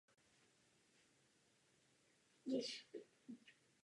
Kvůli problémům s turbodmychadlem se propadl Blomqvist.